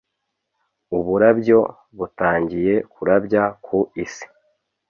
Uburabyo butangiye kurabya ku isi